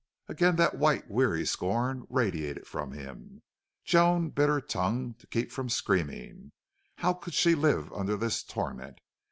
Again that white, weary scorn radiated from him. Joan bit her tongue to keep from screaming. How could she live under this torment?